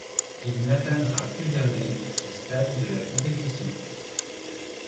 Il n'atteindra plus jamais ce stade de la compétition.